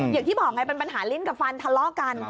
อย่างที่บอกไงเป็นปัญหาลิ้นกับฟันทะเลาะกัน